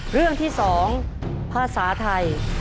เรื่องที่๒ภาษาไทย